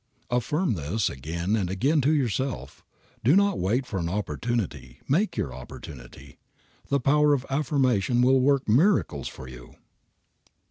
Affirm this again and again to yourself. Do not wait for an opportunity, make your opportunity. The power of affirmation will work miracles for you.